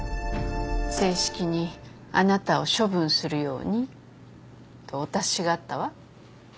正式にあなたを処分するようにとお達しがあったわ。